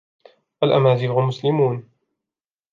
الأمازيغ مسلمون.